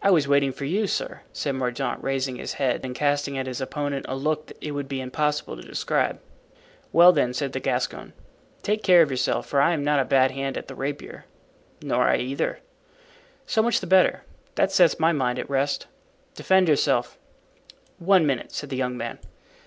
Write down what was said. "I was waiting for you, sir," said Mordaunt, raising his head and casting at his opponent a look it would be impossible to describe. "Well, then," said the Gascon, "take care of yourself, for I am not a bad hand at the rapier." "Nor I either." "So much the better; that sets my mind at rest. Defend yourself." "One minute," said the young man.